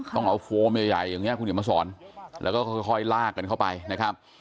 ต้องเอาโฟมใหญ่อย่างนี้คุณเดี๋ยวมาสอนแล้วก็ค่อยลากกันเข้าไปนะครับ